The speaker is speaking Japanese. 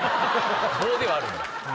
「棒」ではあるんだ。